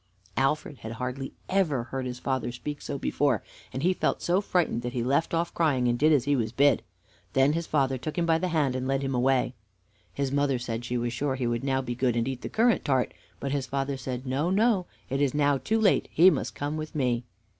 Alfred had hardly ever heard his father speak so before, and he felt so frightened that he left off crying and did as he was bid. Then his father took him by the hand and led him away. His mother said she was sure he would now be good and eat the currant tart; but his father said: "No, no, it is now too late; he must come with me."